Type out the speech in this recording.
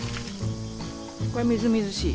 これみずみずしい。